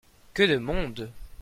Que de monde !